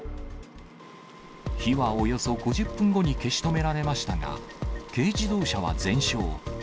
火はおよそ５０分後に消し止められましたが、軽自動車は全焼。